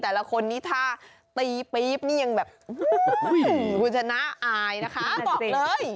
แต่ละคนนี้ถ้าตีปี๊บนี่ยังแบบคุณชนะอายนะคะบอกเลย